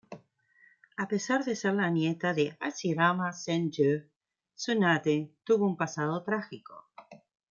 A pesar de ser la nieta de Hashirama Senju, Tsunade tuvo un pasado trágico.